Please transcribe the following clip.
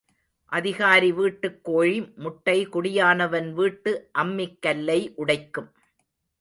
அதிகாரி வீட்டுக் கோழி முட்டை குடியானவன் வீட்டு அம்மிக் கல்லை உடைக்கும்.